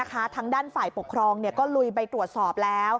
ทางด้านฝ่ายปกครองก็ลุยไปตรวจสอบแล้ว